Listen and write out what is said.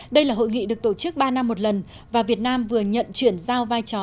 đây là hội nghị được tổ chức ba năm một lần và việt nam vừa nhận chuyển giao vai trò